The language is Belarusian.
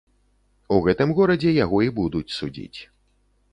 У гэтым горадзе яго і будуць судзіць.